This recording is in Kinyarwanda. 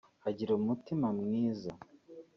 Agira umutima mwiza